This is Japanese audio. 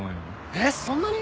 えっそんなに？